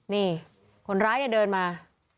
นี่คนร้ายเนี่ยเดินมา